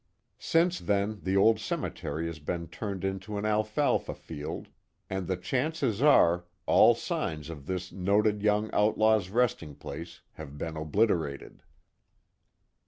Since then the old cemetery has been turned into an alfalfa field, and the chances are, all signs of this noted young outlaw's resting place have been obliterated.